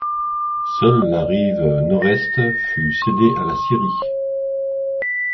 Seule la rive nord-est fut cédée à la Syrie.